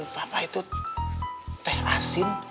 papa itu teh asin